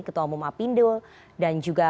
ketua umum apindo dan juga